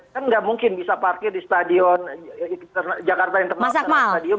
kan nggak mungkin bisa parkir di stadion jakarta international stadium